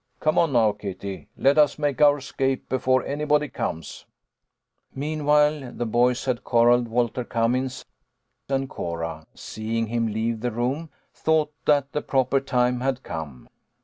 " Come on now, Kitty, let us make our escape before anybody comes." Meanwhue, the boys had corralled Walter Cummins, and Cora, seeing him leave the room, thought th.it the proper time had come.